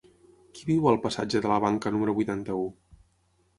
Qui viu al passatge de la Banca número vuitanta-u?